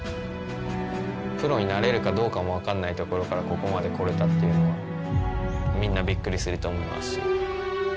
プロになれるかどうかも分からないところからここまでこれたというのはみんなびっくりすると思いますし。